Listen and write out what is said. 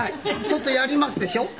ちょっとやりますでしょ。